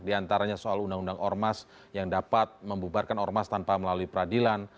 di antaranya soal undang undang ormas yang dapat membubarkan ormas tanpa melalui peradilan